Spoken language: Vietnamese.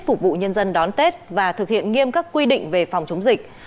phục vụ nhân dân đón tết và thực hiện nghiêm các quy định về phòng chống dịch